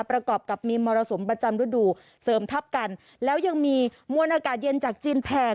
ประกอบกับมีมรสุมประจำฤดูเสริมทับกันแล้วยังมีมวลอากาศเย็นจากจีนแผ่